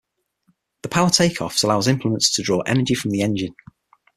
The power take-off allows implements to draw energy from the engine.